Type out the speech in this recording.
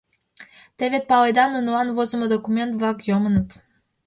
Те вет паледа, нунылан возымо документ-влак йомыныт.